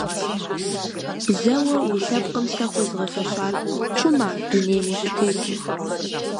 Бзэуэ уи лъэпкъым сэ хуэзгъэфэщар пхъума дунейм ущытетым?